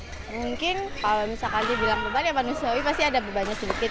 mungkin kalau misalkan dia bilang beban ya manusiawi pasti ada bebannya sedikit